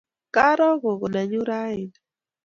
Karo gogo nenyu raini